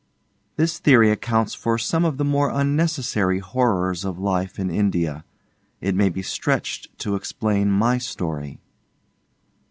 This theory accounts for some of the more unnecessary horrors of life in India: it may be stretched to explain my story.